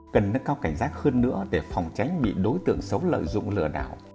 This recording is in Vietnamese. cần nâng cao cảnh giác hơn nữa để phòng tránh bị đối tượng xấu lợi dụng lừa đảo